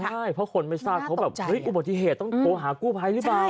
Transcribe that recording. ใช่เพราะคนไม่ทราบเขาแบบเฮ้ยอุบัติเหตุต้องโทรหากู้ภัยหรือเปล่า